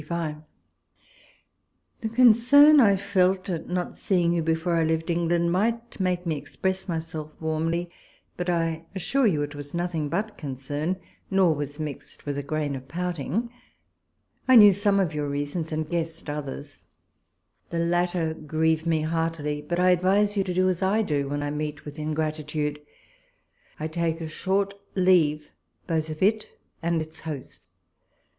The concern I felt at not seeing you before I left England, might make me express myself warmly, but I assure you it was nothing but con cern, nor was mixed with a grain of pouting. I knew some of your reasons, and guessed others. The latter grieve me heartily ; but I advise you to do as I do : when I meet with ingratitude, I take a short leave both of it and its host.